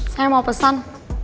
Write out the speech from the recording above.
saya mau pesan